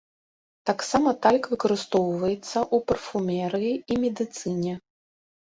Таксама тальк выкарыстоўваецца ў парфумерыі і медыцыне.